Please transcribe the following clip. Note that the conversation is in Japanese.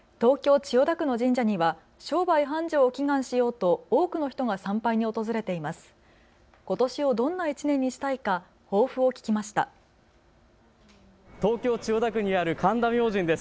千代田区の神社には商売繁盛を祈願しようと多くの人が参拝に訪れています。